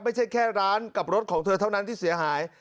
ไม่ใช่แค่ร้านกับรถของเธอเท่านั้นที่เสียหาย